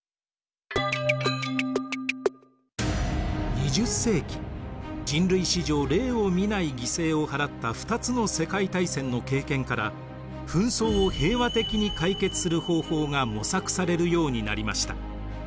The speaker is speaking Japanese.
２０世紀人類史上例を見ない犠牲を払った２つの世界大戦の経験から紛争を平和的に解決する方法が模索されるようになりました。